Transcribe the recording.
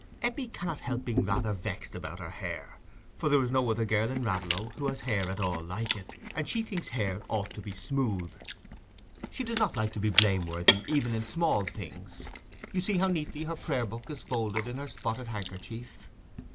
Eppie cannot help being rather vexed about her hair, for there is no other girl in Raveloe who has hair at all like it, and she thinks hair ought to be smooth. She does not like to be blameworthy even in small things: you see how neatly her prayer book is folded in her spotted handkerchief.